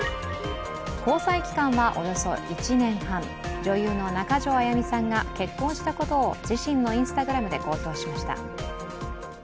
交際期間はおよそ１年半女優の中条あやみさんが結婚したことを自身のＩｎｓｔａｇｒａｍで公表しました。